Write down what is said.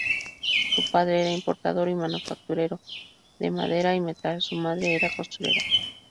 Su padre era importador y manufacturero de madera y metal; su madre era costurera.